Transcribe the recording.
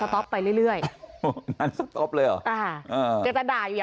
รู้ลูกห้ามไหม